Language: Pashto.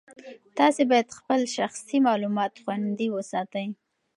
تاسي باید خپل شخصي معلومات خوندي وساتئ.